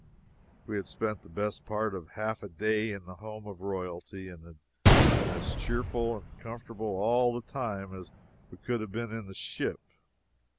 We had spent the best part of half a day in the home of royalty, and had been as cheerful and comfortable all the time as we could have been in the ship.